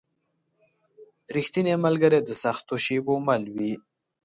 رښتینی ملګری د سختو شېبو مل وي.